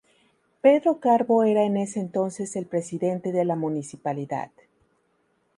Pedro Carbo era en ese entonces el Presidente de la Municipalidad.